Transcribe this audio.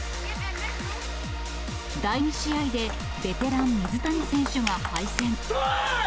第２試合で、ベテラン、水谷選手が敗戦。